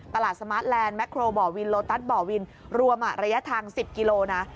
สมาร์ทแลนดแครบ่อวินโลตัสบ่อวินรวมระยะทาง๑๐กิโลนะ